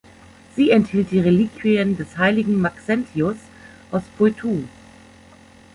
Sie enthielt die Reliquien des Heiligen Maxentius aus Poitou.